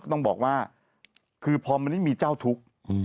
ต้องบอกว่าคือพอมันไม่มีเจ้าทุกข์